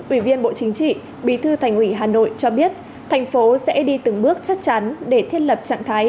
ủy viên bộ chính trị bí thư thành ủy hà nội cho biết thành phố sẽ đi từng bước chắc chắn để thiết lập trạng thái